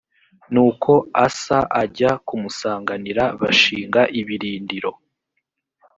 nuko asa ajya kumusanganira bashinga ibirindiro